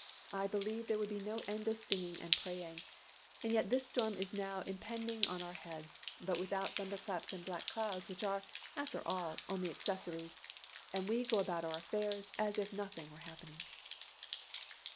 I believe there would be no end of singing and praying. And yet this storm is now impending on our heads but without thunder claps and black clouds, which are, after all, only accessories and we go about our affairs as if nothing were happening."